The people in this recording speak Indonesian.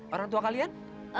orang tua kalian